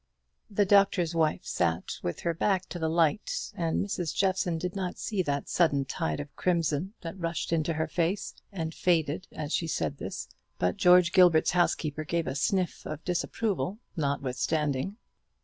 The Doctor's Wife sat with her back to the light; and Mrs. Jeffson did not see that sudden tide of crimson that rushed into her face, and faded, as she said this; but George Gilbert's housekeeper gave a sniff of disapproval notwithstanding.